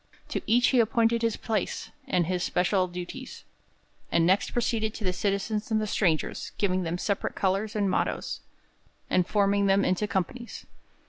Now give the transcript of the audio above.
To each he appointed his place, with his special duties, and next proceeded to the citizens and the strangers, giving them separate colours and mottoes, and forming them into companies.